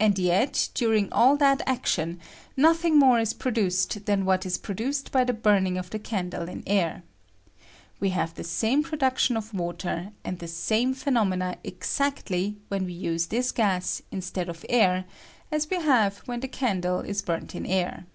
And yet, during all that action, nothing more ia produced than what is produced by the burning of the candle in air, We have the same production of water, and the same phenomena exactly, when we use thia gas instead of air, as we have when the candle is burnt in air.